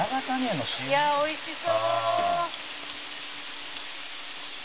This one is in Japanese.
いや美味しそう！」